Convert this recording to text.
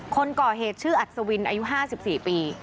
คนก่อเหตุชื่ออัศวินอายุ๕๔ปี